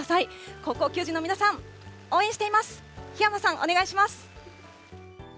高校球児の皆さん、応援しています。